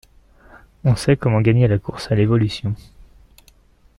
On sait comment gagner la course à l’évolution.